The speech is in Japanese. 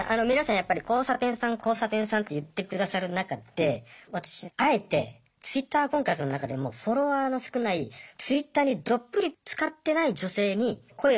やっぱり「交差点さん交差点さん」って言ってくださる中で私あえてＴｗｉｔｔｅｒ婚活の中でもフォロワーの少ないＴｗｉｔｔｅｒにどっぷりつかってない女性に声をかけて。